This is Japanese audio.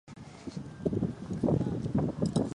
長野県小川村